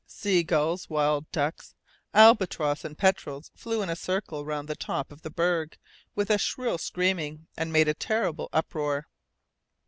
Sea gulls, wild duck, albatross, and petrels flew in a circle round the top of the berg with a shrill screaming, and made a terrible uproar.